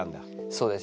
そうです。